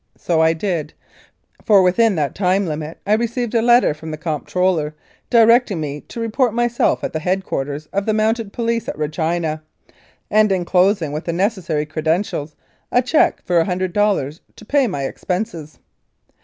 So I did, for within that limit I received a letter from the Comp troller directing me to report myself at the head quarters of the Mounted Police at Regina, and enclosing with the necessary credentials a cheque for a hundred dollars to pay my expenses.